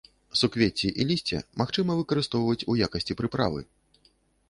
Суквецці і лісце магчыма выкарыстоўваць у якасці прыправы.